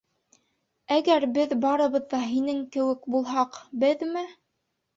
Әгәр беҙ барыбыҙ ҙа һинең кеүек булһаҡ, беҙме?